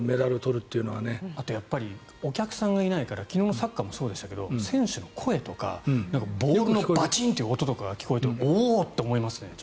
お客さんがいないから昨日のサッカーもそうですが選手の声とかボールのバチンという声が聞こえておお！と思いますね。